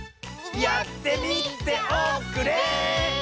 やってみておくれ！